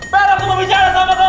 berah aku mau bicara sama kamu